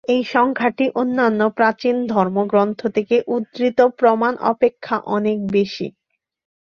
এই সংখ্যাটি অন্যান্য প্রাচীন ধর্মগ্রন্থ থেকে উদ্ধৃত প্রমাণ অপেক্ষা অনেক বেশি।